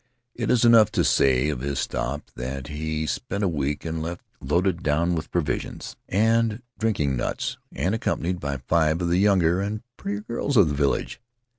It is enough to say of his stop there that he spent a week and left, loaded down with provisions and drinking nuts, and accompanied by five of the younger and prettier girls of the village.